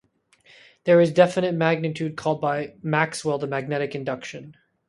There is a definite magnitude called by Maxwell the magnetic induction.